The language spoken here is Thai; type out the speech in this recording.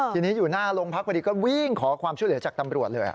ทีนี้อยู่หน้าโรงพักพอดีก็วิ่งขอความช่วยเหลือจากตำรวจเลย